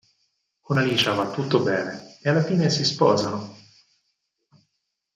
Con Alicia va tutto bene e alla fine si sposano.